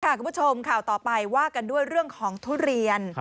คุณผู้ชมข่าวต่อไปว่ากันด้วยเรื่องของทุเรียน